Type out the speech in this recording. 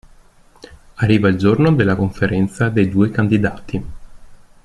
Arriva il giorno della conferenza dei due candidati.